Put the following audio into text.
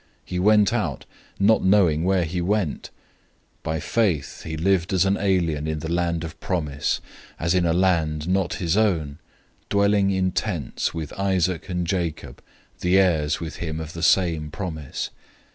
He went out, not knowing where he went. 011:009 By faith, he lived as an alien in the land of promise, as in a land not his own, dwelling in tents, with Isaac and Jacob, the heirs with him of the same promise.